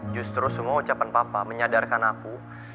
justru semua ucapan papa menyadarkan aku